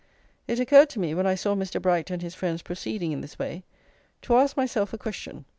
It occurred to me, when I saw Mr. Bright and his friends proceeding in this way, to ask myself a question.